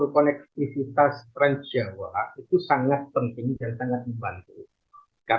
posisi jam itu sangat berpengaruh